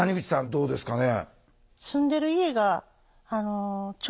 どうですかね？